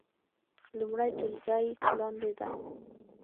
لومړۍ ټولګی لاندې ده